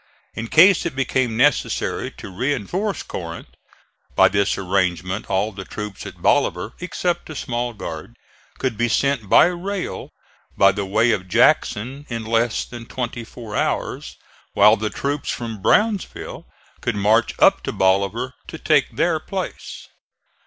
In case it became necessary to reinforce Corinth, by this arrangement all the troops at Bolivar, except a small guard, could be sent by rail by the way of Jackson in less than twenty four hours; while the troops from Brownsville could march up to Bolivar to take their place.